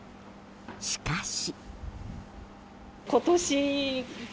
しかし。